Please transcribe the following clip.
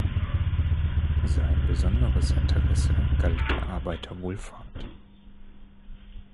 Sein besonderes Interesse galt der Arbeiterwohlfahrt.